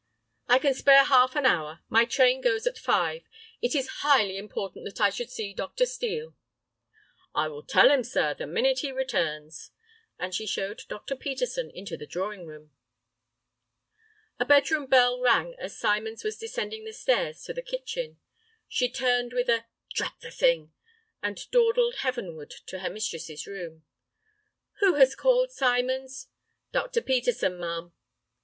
"I can spare half an hour. My train goes at five. It is highly important that I should see Dr. Steel." "I will tell him, sir, the minute he returns," and she showed Dr. Peterson into the drawing room. A bedroom bell rang as Symons was descending the stairs to the kitchen. She turned with a "Drat the thing!" and dawdled heavenward to her mistress's room. "Who has called, Symons?" "Dr. Peterson, ma'am."